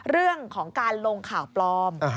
เรื่องของการลงข่าวปลอม